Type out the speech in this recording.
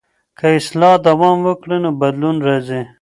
که اصلاح دوام وکړي نو بدلون راځي.